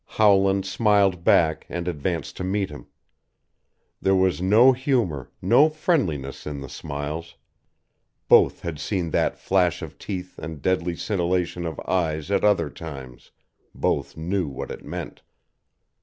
Howland smiled back, and advanced to meet him. There was no humor, no friendliness in the smiles. Both had seen that flash of teeth and deadly scintillation of eyes at other times, both knew what it meant.